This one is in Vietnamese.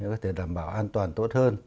có thể đảm bảo an toàn tốt hơn